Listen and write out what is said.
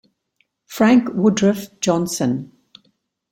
Frank Woodruff Johnson.